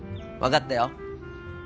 分かったよ。